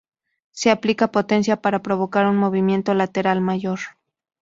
Se aplica potencia para provocar un movimiento lateral mayor.